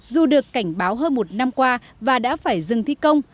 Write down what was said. dù được cảnh báo hơn một năm qua và đã phải dừng thi công